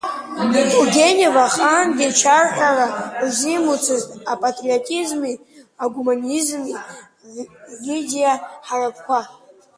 Тургенев ахаангьы чарҳәара рзимуцызт апатриотизми агуманизми ридиа ҳаракқәа.